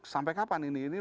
sampai kapan ini